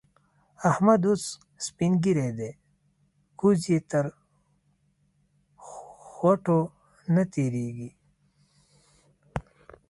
احمد اوس سپين ږير دی؛ ګوز يې تر خوټو نه تېرېږي.